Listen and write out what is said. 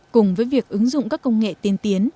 cùng với việc ứng dụng các công nghệ tiên tiến